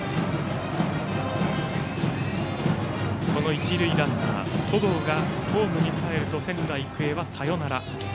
一塁ランナー、登藤がホームにかえると仙台育英はサヨナラ。